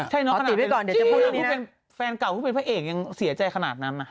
ใช่เนอะขนาดนี้เป็นแฟนเก่าผู้เป็นพระเอกยังเสียใจขนาดนั้นนะ